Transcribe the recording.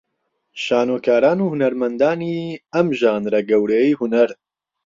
شانۆکاران و هونەرمەندانی ئەم ژانرە گەورەیەی هونەر